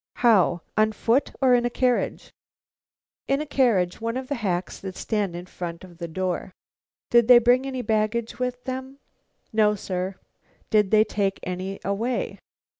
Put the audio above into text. "How? On foot or in a carriage?" "In a carriage; one of the hacks that stand in front of the door." "Did they bring any baggage with them?" "No, sir." "Did they take any away?"